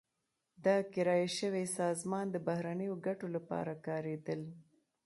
دا کرایه شوې سازمان د بهرنیو ګټو لپاره کارېدل.